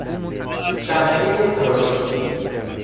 شبکه تروریستی